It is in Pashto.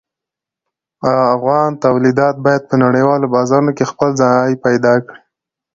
افغان تولیدات باید په نړیوالو بازارونو کې خپل ځای پیدا کړي.